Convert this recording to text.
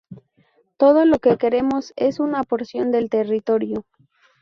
Todo lo que queremos es una porción del territorio.